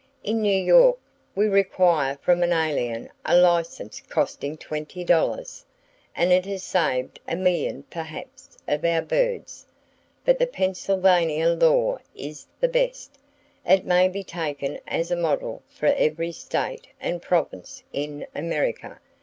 In New York, we require from an alien a license costing $20, and it has saved a million (perhaps) of our birds; but the Pennsylvania law is the best. It may be taken as a model for every state and province in America.